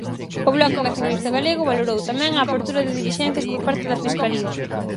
O Bloque Nacionalista Galego valorou, tamén, a apertura de dilixencias por parte da fiscalía.